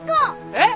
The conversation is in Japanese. えっ？